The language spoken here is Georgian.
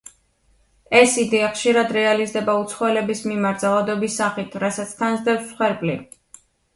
ეს იდეა ხშირად რეალიზდება უცხოელების მიმართ ძალადობის სახით, რასაც თან სდევს მსხვერპლი.